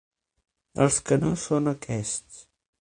Els que no són aquests.